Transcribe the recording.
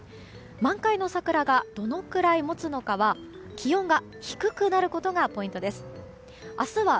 満開の桜がどのくらい持つのかは気温が低くなることがポイントです。